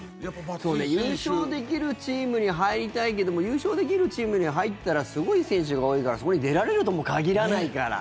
優勝できるチームに入りたいけども優勝できるチームに入ったらすごい選手が多いからそこに出られるとも限らないから。